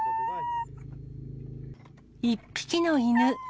１匹の犬。